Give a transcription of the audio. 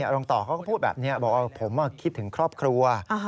รองต่อเขาก็พูดแบบนี้บอกว่าผมคิดถึงครอบครัว